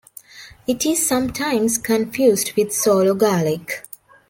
It is sometimes confused with solo garlic.